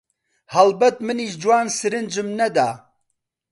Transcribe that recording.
هەڵبەت منیش جوان سرنجم نەدا